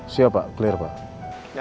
siap pak clear pak